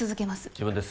自分です